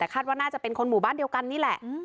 แต่คาดว่าน่าจะเป็นคนหมู่บ้านเดียวกันนี่แหละ